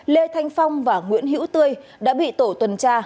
lê thanh phong và nguyễn hữu tươi đã bị tổ tuần tra